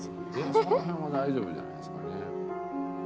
その辺は大丈夫じゃないですかね。